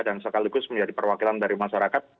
dan sekaligus menjadi perwakilan dari masyarakat